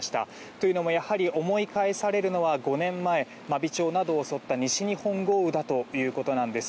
というのも、やはり思い返されるのは５年前真備町などを襲った西日本豪雨だということなんです。